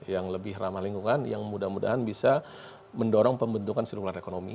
yang lebih ramah lingkungan yang mudah mudahan bisa mendorong pembentukan sirkular ekonomi